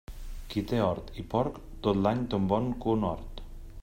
Qui té hort i porc, tot l'any té un bon conhort.